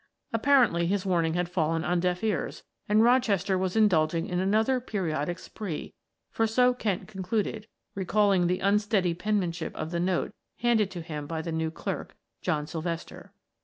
Apparently his warning had fallen on deaf ears and Rochester was indulging in another periodic spree, for so Kent concluded, recalling the unsteady penmanship of the note handed to him by the new clerk, John Sylvester.